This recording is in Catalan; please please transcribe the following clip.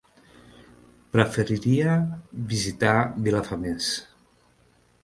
Preferiria visitar Vilafamés.